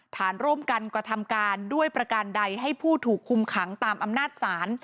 ฐานร่วมกันกระทำการด้วยประการใดให้ผู้ถูกคุมขังตามอำนาจศาล